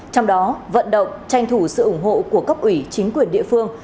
trong đó vận động tranh thủ sự ủng hộ của cấp ủy chính quyền địa phương